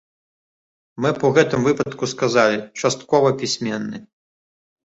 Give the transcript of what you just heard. Мы б у гэтым выпадку сказалі, часткова пісьменны.